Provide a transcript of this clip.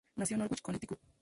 Nació en Norwich, Connecticut.